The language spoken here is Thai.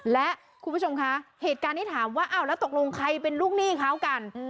และคุณผู้ชมคะเหตุการณ์ที่ถามว่าอ้าวแล้วตกลงใครเป็นลูกหนี้เขากัน